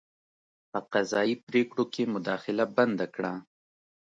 په قضايي پرېکړو کې مداخله بنده کړه.